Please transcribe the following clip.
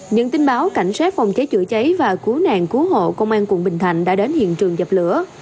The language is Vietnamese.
những tin báo cảnh sát phòng cháy chữa cháy và cứu nạn cứu hộ công an tp hcm đã đến hiện trường dập lửa